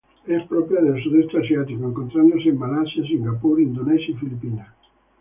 Es propia del sudeste asiático, encontrándose en Malasia, Singapur, Indonesia y Filipinas.